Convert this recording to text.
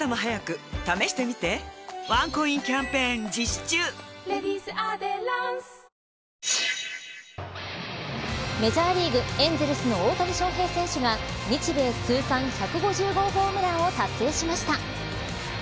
至れり尽くせりメジャーリーグエンゼルスの大谷翔平選手が日米通算１５０号ホームランを達成しました。